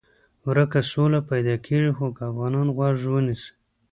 ورکه سوله پیدا کېږي خو که افغانان غوږ ونیسي.